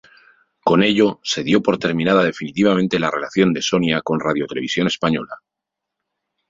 Con ello se dio por terminada definitivamente la relación de Sonia con Radiotelevisión Española.